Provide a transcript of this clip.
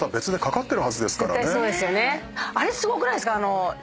あれすごくないですか？